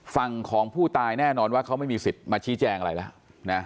ฝั่งของผู้ตายแน่นอนว่าเขาไม่มีสิทธิ์มาชี้แจงอะไรแล้วนะ